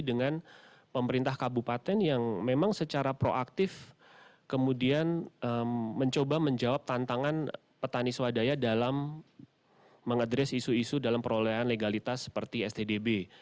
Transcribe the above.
dengan pemerintah kabupaten yang memang secara proaktif kemudian mencoba menjawab tantangan petani swadaya dalam mengadres isu isu dalam perolehan legalitas seperti stdb